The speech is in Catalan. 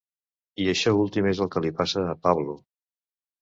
I això últim és el que li passa a Pablo.